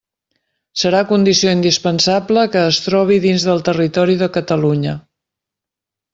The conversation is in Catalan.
Serà condició indispensable que es trobi dins del territori de Catalunya.